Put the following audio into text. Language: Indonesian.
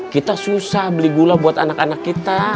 kita susah beli gula buat anak anak kita